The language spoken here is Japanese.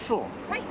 はい。